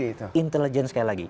ini intelijen sekali lagi